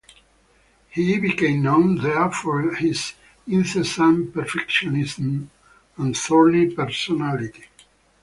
He became known there for his incessant perfectionism and thorny personality.